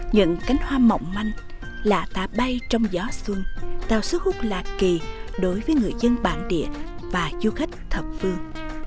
những cánh hoa mỏng manh lạ tạ bay trong gió xuân tạo sức hút lạ kỳ đối với người dân bản địa và du khách thập vương